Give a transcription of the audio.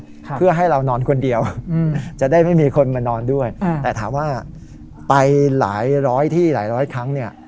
ค่ะเพื่อให้เรานอนคนเดียวอืมจะได้ไม่มีคนมานอนด้วยอ่าแต่ถามว่าไปหลายร้อยที่หลายร้อยครั้งเนี่ย